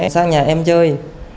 sang nhà em chơi